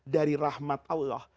dari rahmat allah